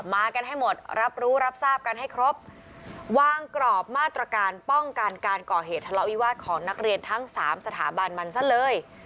มากันให้หมดรับรู้รับทราบกันให้ครบวางกรอบมาตรการป้องกันการก่อเหตุทะเลาะวิวาสของนักเรียนทั้งสามสถาบันมันซะเลย